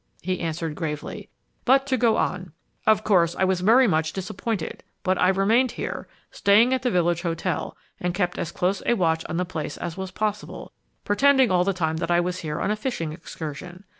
he answered gravely. "But to go on. Of course, I was very much disappointed, but I remained here, staying at the village hotel, and kept as close a watch on the place as was possible, pretending all the time that I was here on a fishing excursion.